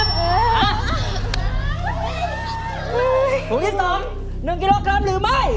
ห่วงที่สอง๑กิโลกรัมหรือไม่